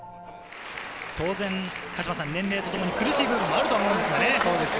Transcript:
当然、年齢とともに苦しい部分もあると思うんですがね。